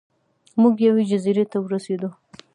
موږ یوې جزیرې ته ورسیدو.